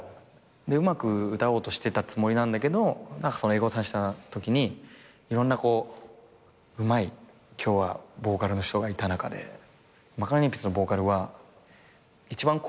うまく歌おうとしてたつもりなんだけどエゴサしたときにいろんなうまい今日はボーカルの人がいた中でマカロニえんぴつのボーカルは一番声がでかかったっつって。